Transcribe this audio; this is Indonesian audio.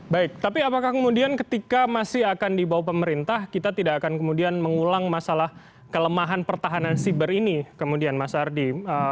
baik tapi apakah kemudian ketika masih akan dibawa pemerintah kita tidak akan kemudian mengulang masalah kelemahan pertahanan siber ini kemudian mas ardi